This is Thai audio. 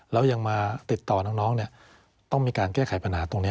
แล้วยังมาติดต่อน้องต้องมีการแก้ไขปัญหาตรงนี้